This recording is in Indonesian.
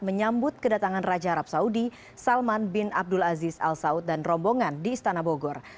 menyambut kedatangan raja arab saudi salman bin abdul aziz al saud dan rombongan di istana bogor